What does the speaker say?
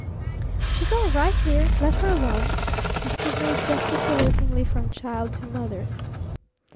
"She's all right here. Let her alone!" he signaled gesticulatingly from child to mother.